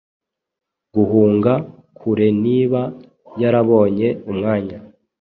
Guhunga kureniba yarabonye umwanya